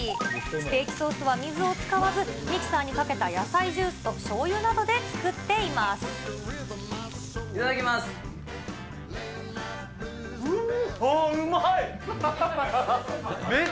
ステーキソースは水を使わず、ミキサーにかけた野菜ジュースといただきます。